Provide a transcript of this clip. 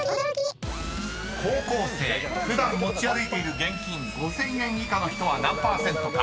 ［高校生普段持ち歩いている現金５，０００円以下の人は何％か？